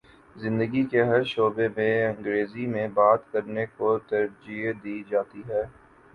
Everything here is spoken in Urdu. زندگی کے ہر شعبے میں انگریزی میں بات کر نے کو ترجیح دی جاتی ہے